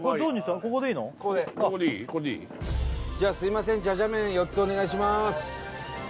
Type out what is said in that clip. これでいい？じゃあすいませんじゃじゃ麺４つお願いします